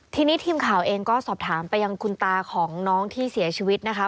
ทีนี้ทีมข่าวเองก็สอบถามไปยังคุณตาของน้องที่เสียชีวิตนะคะ